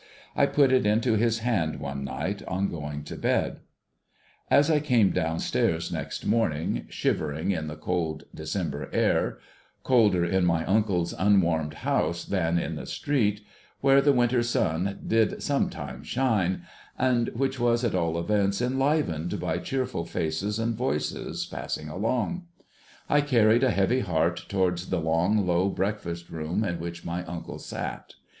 I jnit it into his hand one night, on going to bed. As I came down stairs next morning, shivering in the cold December air ; colder in my uncle's unwarmed house than in the street, where the winter sun did sometimes shine, and which was at all events enlivened by cheerful faces and voices passing along ; I carried a heavy heart towards the long, low breakfast room in which my uncle sat.